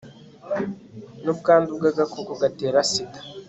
n'ubwandu bw'agakoko gatera sida